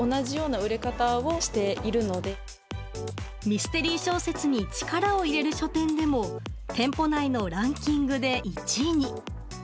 ミステリー小説に力を入れる書店でも店舗内のランキングで１位に。